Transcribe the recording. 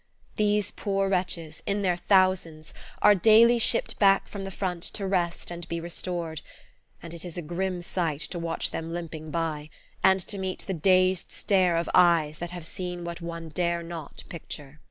These poor wretches, in their thousands, are daily shipped back from the front to rest and be restored; and it is a grim sight to watch them limping by, and to meet the dazed stare of eyes that have seen what one dare not picture.